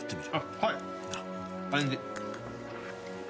はい。